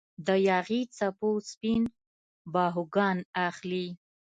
د یاغي څپو سپین باهوګان اخلي